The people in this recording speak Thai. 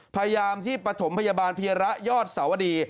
พยายามที่ปฐมพยาบาลเพียระยอดสวดี